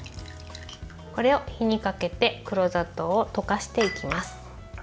これを火にかけて黒砂糖を溶かしていきます。